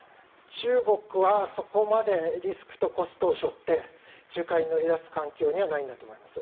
中国はそこまでリスクをコストを背負って仲介に乗り出す環境にはないんだと思います。